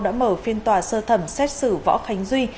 đã mở phiên tòa sơ thẩm xét xử võ khánh duy